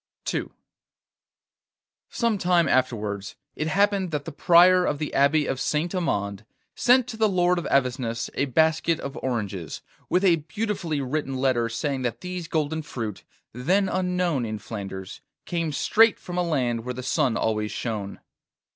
II Some time afterwards, it happened that the Prior of the Abbey of Saint Amand sent to the Lord of Avesnes a basket of oranges, with a beautifully written letter saying that these golden fruit, then unknown in Flanders, came straight from a land where the sun always shone.